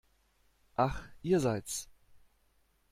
Ach, ihr seid's!